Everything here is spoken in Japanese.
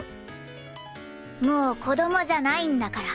もう子供じゃないんだから。